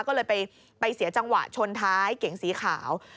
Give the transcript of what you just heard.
ก็เลยไปเสียจังหวะชนท้ายเก๋งสีขาว